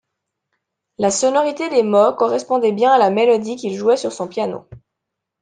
La sonorité des mots correspondait bien à la mélodie qu'il jouait sur son piano.